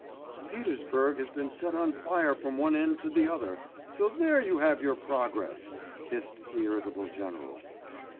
'Petersburg has been set on fire from one end to the other, so there you have your progress!' hissed the irritable general.